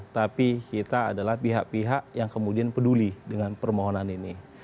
tapi kita adalah pihak pihak yang kemudian peduli dengan permohonan ini